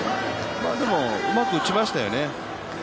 でもうまく打ちましたよね。